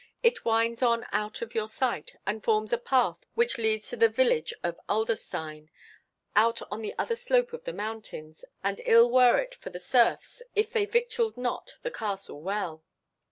It winds on out of your sight, and forms a path which leads to the village of Adlerstein, out on the other slope of the mountains; and ill were it for the serfs if they victualled not the castle well."